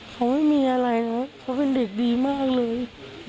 เขาไม่มีอะไรนะเขาเป็นเด็กดีมากเลย